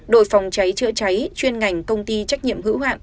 đội phòng cháy chữa cháy chuyên ngành công ty trách nhiệm hữu hoạn